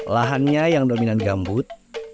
lahannya yang dominan gambut